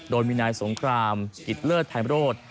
โดมินัยสงครามกิจเลิศไทยบริโรธ